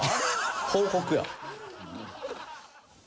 報告や。